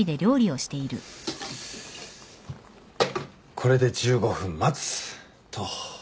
これで１５分待つと。